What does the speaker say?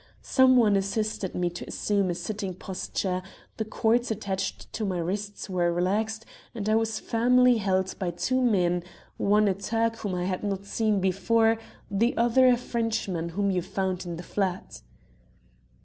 "Someone assisted me to assume a sitting posture, the cords attached to my wrists were relaxed, and I was firmly held by two men one a Turk whom I had not seen before, the other a Frenchman whom you found in the flat.